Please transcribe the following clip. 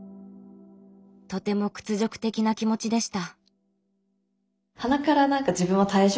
とても屈辱的な気持ちでした。